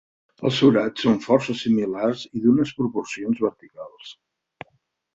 Els forats són força similars i d'unes proporcions verticals.